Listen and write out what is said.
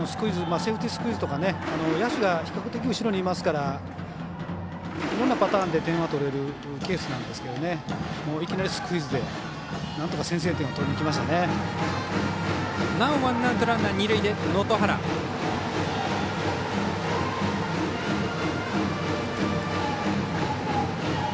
セーフティースクイズとか野手が比較的、後ろにいますからいろんなパターンで点は取れるケースなんですがいきなりスクイズでなんとか先制点をバッターは能登原。